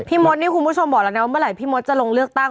มดนี่คุณผู้ชมบอกแล้วนะว่าเมื่อไหร่พี่มดจะลงเลือกตั้ง